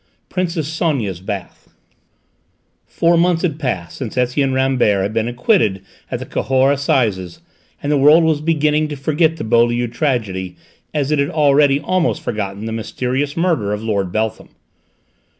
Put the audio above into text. PRINCESS SONIA'S BATH Four months had passed since Etienne Rambert had been acquitted at the Cahors Assizes, and the world was beginning to forget the Beaulieu tragedy as it had already almost forgotten the mysterious murder of Lord Beltham.